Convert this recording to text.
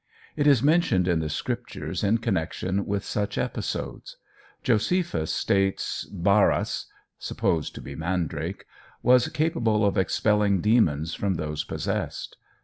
It is mentioned in the Scriptures in connexion with such episodes. Josephus states "baaras" (supposed to be mandrake) was capable of expelling demons from those possessed.